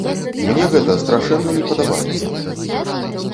Мне гэта страшэнна не падабаецца.